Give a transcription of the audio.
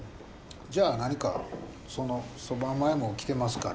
じゃあ何かその蕎麦前もきてますから。